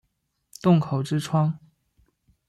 洞口之窗